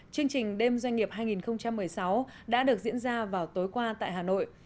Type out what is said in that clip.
chương trình đêm doanh nghiệp hai nghìn một mươi sáu đã được diễn ra vào tối qua tại hà nội